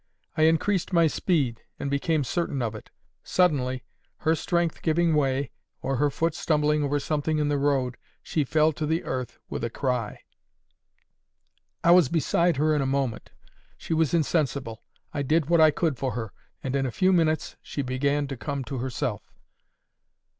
I increased my speed, and became certain of it. Suddenly, her strength giving way, or her foot stumbling over something in the road, she fell to the earth with a cry. I was beside her in a moment. She was insensible. I did what I could for her, and in a few minutes she began to come to herself.